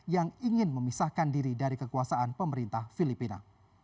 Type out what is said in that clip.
yang ingin memisahkan diri dari kekuasaan pemerintah filipina